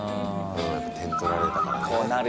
点取られたからね。